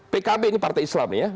pkb ini partai islam ya